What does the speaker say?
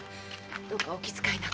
どうかお気遣いなく。